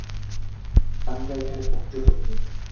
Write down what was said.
আমরা এখানে পর্যটক নই!